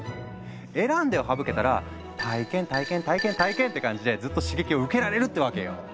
「選んで」を省けたら「体験」「体験」「体験」「体験」って感じでずっと刺激を受けられるってわけよ。